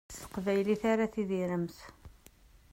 S teqbaylit ara tidiremt.